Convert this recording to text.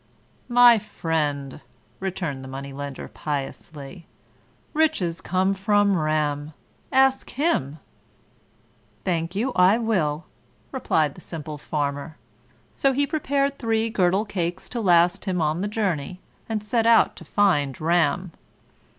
"My friend," returned the Money lender piously, "riches come from Ram ask him." "Thank you, I will!" replied the simple Farmer; so he prepared three girdle cakes to last him on the journey, and set out to find Ram.